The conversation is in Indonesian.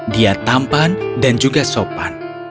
dia tampan dan juga sopan